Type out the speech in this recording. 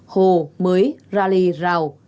hồ mới rà lì rào